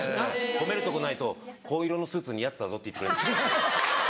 褒めるとこないと「紺色のスーツ似合ってたぞ」って言ってくれる。